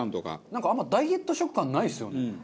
なんかあんまりダイエット食感ないですよね。